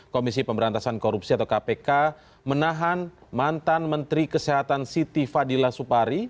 komisi pemberantasan korupsi atau kpk menahan mantan menteri kesehatan siti fadila supari